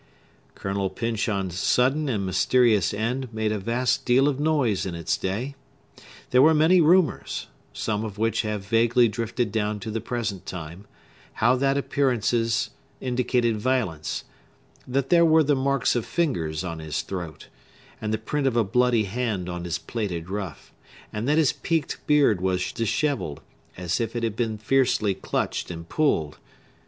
Colonel Pyncheon's sudden and mysterious end made a vast deal of noise in its day. There were many rumors, some of which have vaguely drifted down to the present time, how that appearances indicated violence; that there were the marks of fingers on his throat, and the print of a bloody hand on his plaited ruff; and that his peaked beard was dishevelled, as if it had been fiercely clutched and pulled.